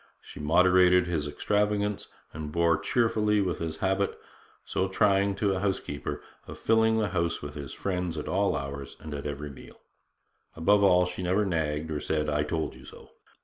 She moderated his extravagance, and bore cheerfully with his habit, so trying to a housekeeper, of filling the house with his friends at all hours and at every meal. Above all, she never nagged, or said 'I told you so.'